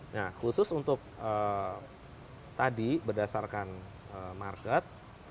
nah khusus untuk tadi berdasarkan market